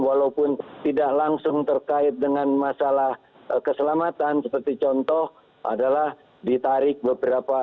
walaupun tidak langsung terkait dengan masalah keselamatan seperti contoh adalah ditarik beberapa